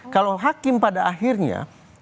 kalau hakim pada akhirnya